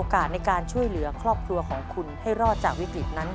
ขอบคุณครับ